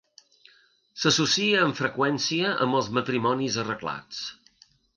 S'associa amb freqüència amb els matrimonis arreglats.